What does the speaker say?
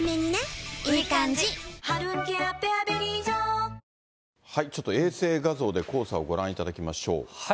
蓬莱さん、ちょっと衛星画像で黄砂をご覧いただきましょう。